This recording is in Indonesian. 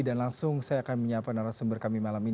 dan langsung saya akan menyiapkan arah sumber kami malam ini